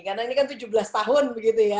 karena ini kan tujuh belas tahun begitu ya